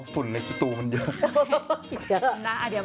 อ๋อฝุ่นในชุตูมันเยอะ